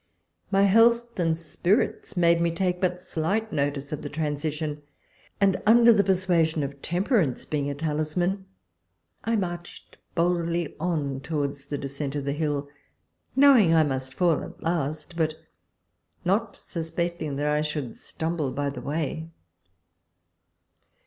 My health and spirits make me take but slight notice of the transition, and, under the persuasion of temperance being a talisman, I marched boldly on towards the des cent of the hill, knowing I must fall at last, but not suspecting that I should stumble by the way.